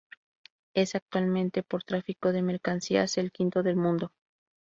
Es actualmente por tráfico de mercancías el quinto del mundo.